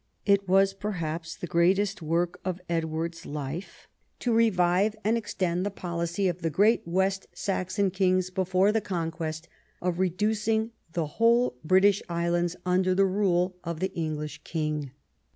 It was perhaps the greatest Avork of EdAvard's life to revive and 14 EDWARD I CHAP. extend the policy of the great West Saxon kings before the Conquest of reducing the whole British Islands under the rule of the English King.